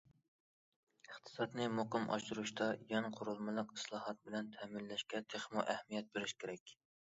ئىقتىسادنى مۇقىم ئاشۇرۇشتا، يان قۇرۇلمىلىق ئىسلاھات بىلەن تەمىنلەشكە تېخىمۇ ئەھمىيەت بېرىش كېرەك.